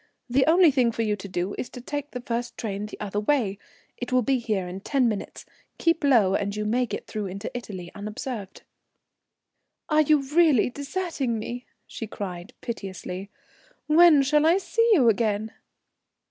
The only thing for you to do is to take the first train the other way, it will be here in ten minutes, keep low and you may get through into Italy unobserved." "Are you really deserting me?" she cried piteously. "When shall I see you again?"